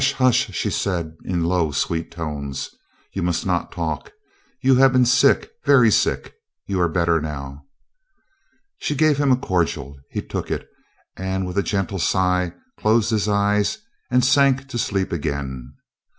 hush!" she said, in low, sweet tones, "you must not talk. You have been sick—very sick. You are better now." She gave him a cordial. He took it, and with a gentle sigh, closed his eyes, and sank to sleep again.